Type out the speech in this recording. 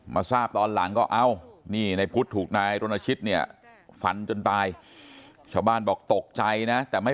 มาทราบตอนหลังก็เอ้านี่ในพุธถูกนายรนชิตเนี่ยฝันจนตาย